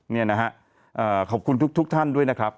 นี่นะฮะขอบคุณทุกท่านด้วยนะครับ